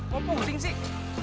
kok pusing sih